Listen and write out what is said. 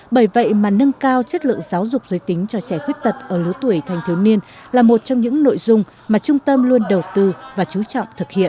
bởi vậy mà nâng cao chất lượng giáo dục giới tính cho trẻ khuyết tật ở lứa tuổi thanh thiếu niên là một trong những nội dung mà trung tâm luôn đầu tư và chú trọng thực hiện